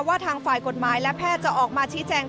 ว่าทางฝ่ายกฎหมายและแพทย์จะออกมาชี้แจง